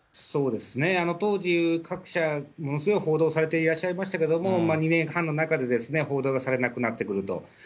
当時、各社ものすごい報道されていらっしゃいましたけれども、２年半の中で報道がされなくなってくると。